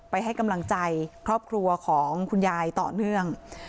ให้กำลังใจครอบครัวของคุณยายต่อเนื่อง